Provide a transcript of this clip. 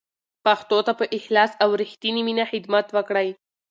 پښتو ته په اخلاص او رښتینې مینه خدمت وکړئ.